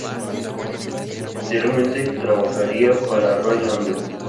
Posteriormente trabajaría para Roy London.